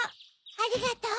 ありがとう。